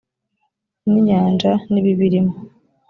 n inyanja n ibibirimo